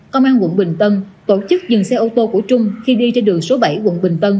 công an quận bình tân tổ chức dừng xe ô tô của trung khi đi trên đường số bảy quận bình tân